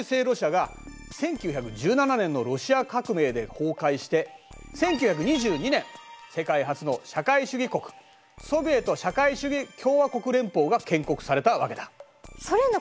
ロシアが１９１７年のロシア革命で崩壊して１９２２年世界初の社会主義国ソビエト社会主義共和国連邦が建国されたわけだ。